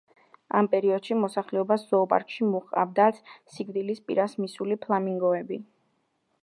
ამ პერიოდში მოსახლეობას ზოოპარკში მოჰყავდათ სიკვდილის პირას მისული ფლამინგოები.